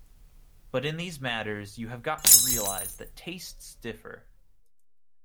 But in these matters you have got to realize that tastes differ.